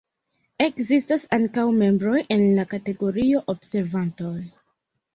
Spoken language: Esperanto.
Ekzistas ankaŭ membroj en la kategorio 'observantoj'.